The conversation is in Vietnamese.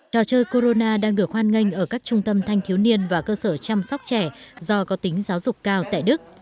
trò chơi corona đang được hoan nghênh ở các trung tâm thanh thiếu niên và cơ sở chăm sóc trẻ do có tính giáo dục cao tại đức